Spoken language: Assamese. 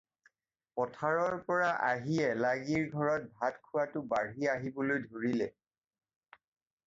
পথাৰৰ পৰা আহি এলাগীৰ ঘৰত ভাত খোৱাটো বাঢ়ি আহিবলৈ ধৰিছে।